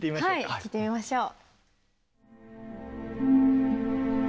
はい聴いてみましょう。